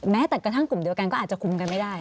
แม้แต่กระทั่งกลุ่มเดียวกันก็อาจจะคุมกันไม่ได้